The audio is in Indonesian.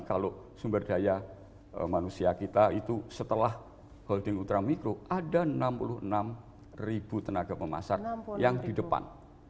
kalau sumber daya manusia kita itu setelah holding ultramikro ada enam puluh enam ribu tenaga pemasar yang di depan